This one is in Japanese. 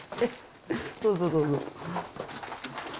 どうぞどうぞ。